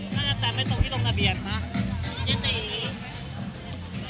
ถ้าเราก็ไปส่งที่โรงระเบียบนะ